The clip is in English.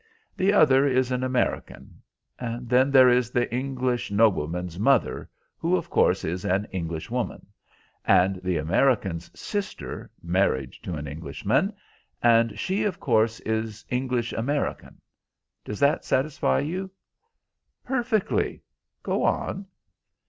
The other is an American. Then there is the English nobleman's mother, who, of course, is an English woman; and the American's sister, married to an Englishman, and she, of course, is English American. Does that satisfy you?" "Perfectly. Go on."